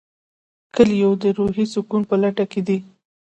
کویلیو د روحي سکون په لټه کې دی.